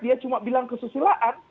dia cuma bilang kesusilaan